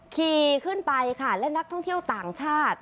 ขี่ขึ้นไปค่ะและนักท่องเที่ยวต่างชาติ